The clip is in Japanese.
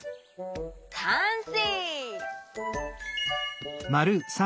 かんせい！